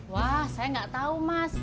wah saya gak tau mas